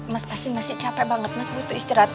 mas pasti masih capek banget